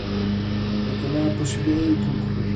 E tamén a posibilidade de concorrer.